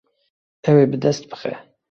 Ew ê bi dest bixe.